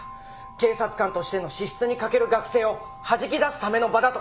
「警察官としての資質に欠ける学生をはじき出すための場だ」と。